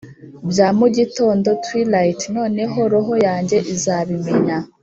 bya mugitondo twllight: noneho roho yanjye izabimenya